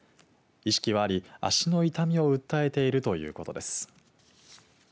意識はあり、足の痛みを訴えているということです。